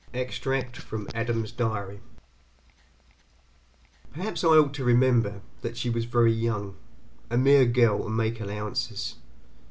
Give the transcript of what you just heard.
EXTRACT FROM ADAM'S DIARY Perhaps I ought to remember that she is very young, a mere girl and make allowances.